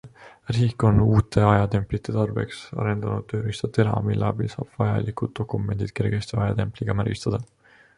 Riik on uute ajatemplite tarbeks arendanud tööriista TeRa, mille abil saab vajalikud dokumendid kergesti ajatempliga märgistada.